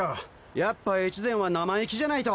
やっぱ越前は生意気じゃないと！